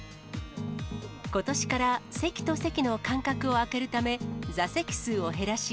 ことしから席と席の間隔を空けるため、座席数を減らし、